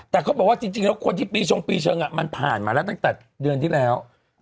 แต่เขาบอกว่าจริงแล้วคนที่ปีชงปีเชิงมันผ่านมาแล้วตั้งแต่เดือนที่แล้ว